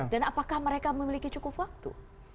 dan apakah mereka memiliki cukup waktu